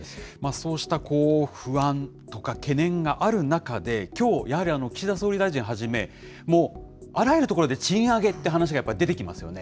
そうした不安とか懸念がある中で、きょう、やはり岸田総理大臣はじめ、もうあらゆるところで賃上げっていう話が出てきますよね。